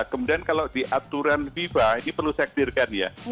kemudian kalau di aturan viva ini perlu sektirkan ya